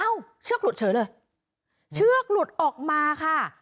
เชือกหลุดเฉยเลยเชือกหลุดออกมาค่ะ